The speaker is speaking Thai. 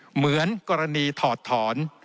เหมือนกรณีถอดถอน